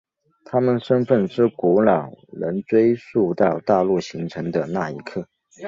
他们身份之古老能追溯到大陆形成的那一刻。